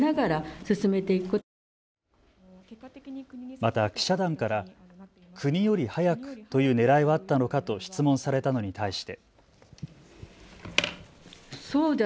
また記者団から国より早くというねらいはあったのかと質問されたのに対して。